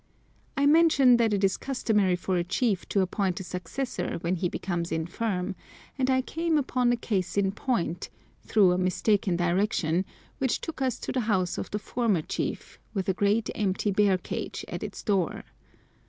I mentioned that it is customary for a chief to appoint a successor when he becomes infirm, and I came upon a case in point, through a mistaken direction, which took us to the house of the former chief, with a great empty bear cage at its door.